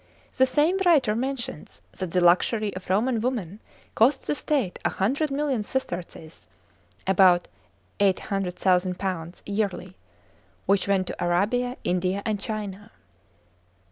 The same writer mentions that the luxury of Roman women cost the state a hundred million sesterces (about £800,000) yearly, which went to Arabia, India, and China.